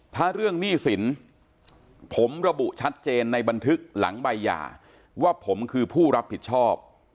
ถ้าเรื่องหนี้สินผมระบุชัดเจนในบันทึกหลังใบหย่าว่าผมคือผู้รับผิดชอบ